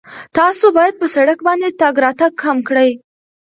تاسو باید په سړک باندې تګ راتګ کم کړئ.